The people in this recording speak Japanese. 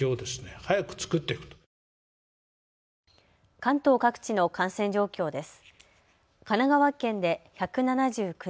関東各地の感染状況です。